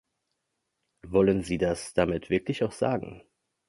Wollen Sie das damit wirklich auch sagen?